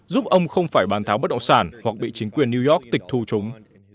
giúp ông không phải bán tháo bất động sản hoặc bị chính quyền new york tịch thu chúng